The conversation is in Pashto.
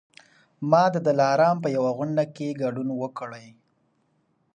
ما د دلارام په یوه غونډه کي ګډون وکړی